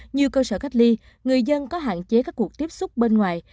như cơ sở cách ly người dân có hạn chế các cuộc tiếp xúc bên ngoài